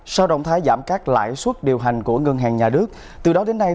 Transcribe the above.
sau động thái giảm các lãi suất điều hành của ngân hàng nhà nước từ đó đến nay